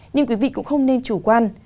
nhưng quý vị cũng không nên chủ quan